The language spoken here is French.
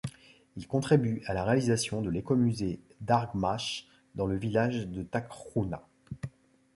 Il contribue à la réalisation de l'écomusée Dar Gmach dans le village de Takrouna.